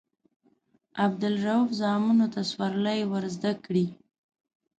عبدالروف زامنو ته سورلۍ ورزده کړي.